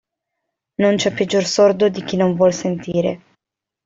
Non c'è peggior sordo di chi non vuol sentire.